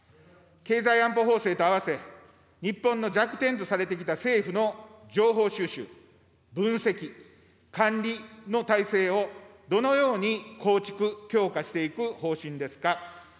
経済安保法制と併せ、日本の弱点とされてきた政府の情報収集、分析、管理の体制をどのように構築、強化していく方針ですか。